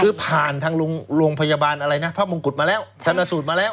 คือผ่านทางหลวงคุณโรงพยาบาลพระมงกุฎมาแล้วธนสูตรมาแล้ว